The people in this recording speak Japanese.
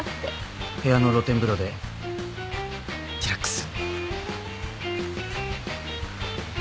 部屋の露天風呂でリラックス。